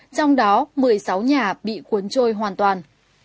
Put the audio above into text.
trong đó một mươi sáu nhà bị cuốn trôi hoàn toàn